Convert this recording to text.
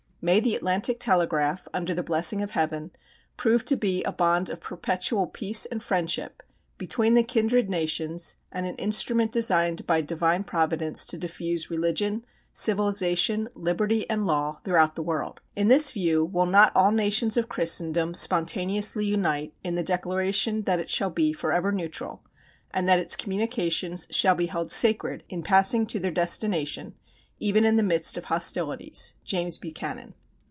May the Atlantic telegraph, under the blessing of Heaven, prove to be a bond of perpetual peace and friendship between the kindred nations and an instrument designed by Divine Providence to diffuse religion, civilisation, liberty and law throughout the world. In this view will not all nations of Christendom spontaneously unite in the declaration that it shall be forever neutral, and that its communications shall be held sacred in passing to their destination, even in the midst of hostilities. "JAMES BUCHANAN."